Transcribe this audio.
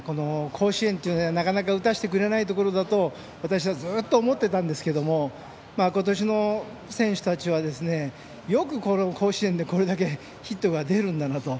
甲子園というのはなかなか打たせてくれないところだと私はずっと思っていたんですが今年の選手たちはよくこの甲子園でこれだけヒットが出るなと。